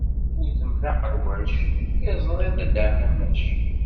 Udem d aqelwac, iẓṛi d adaɛmamac.